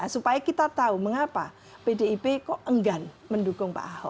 supaya kita tahu mengapa pdip kok enggan mendukung pak ahok